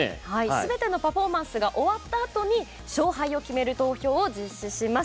すべてのパフォーマンスが終わったあとに勝敗を決める投票を実施します。